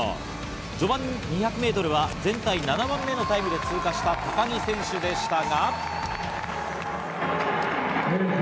序盤２００ｍは全体７番目のタイムで通過した高木選手でしたが。